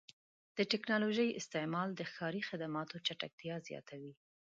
د ټکنالوژۍ استعمال د ښاري خدماتو چټکتیا زیاتوي.